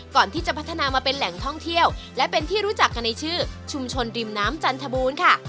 ก่อนที่จะพัฒนามาเป็นแหล่งท่องเที่ยวและเป็นที่รู้จักกันในชื่อชุมชนริมน้ำจันทบูรณ์ค่ะ